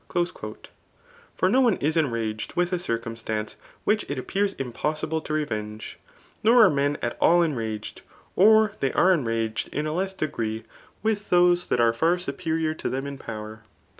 r For no one k enraged with a circumstance which' k Df^iean impossibfe to revenge \ nor are men at all ea^ mged, or they are emraged in a less degree, with thote llttt are far superior to them in power.